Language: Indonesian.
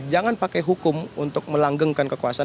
jangan pakai hukum untuk melanggengkan kekuasaan